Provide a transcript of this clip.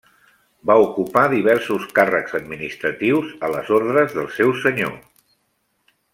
Va ocupar diversos càrrecs administratius a les ordes del seu senyor.